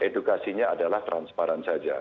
edukasinya adalah transparan saja